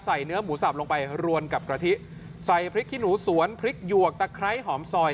เนื้อหมูสับลงไปรวมกับกะทิใส่พริกขี้หนูสวนพริกหยวกตะไคร้หอมซอย